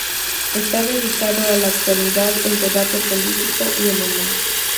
Está dedicado a la actualidad, el debate político y el humor.